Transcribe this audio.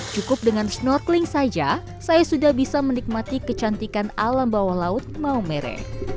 cukup dengan snorkeling saja saya sudah bisa menikmati kecantikan alam bawah laut maumere